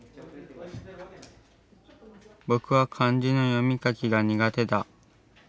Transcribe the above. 僕は漢字の読み書きが苦手だ。